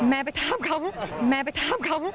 แม่ไปทามครับแม่ไปทามครับ